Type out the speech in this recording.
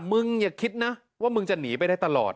มึงอย่าคิดนะว่ามึงจะหนีไปได้ตลอด